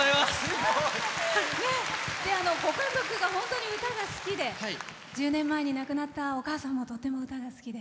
ご家族が本当に歌が好きで１０年前に亡くなったお母様もとても歌が好きで。